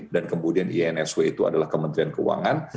dan kemudian insw itu adalah kementerian keuangan